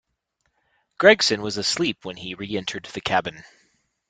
Gregson was asleep when he re-entered the cabin.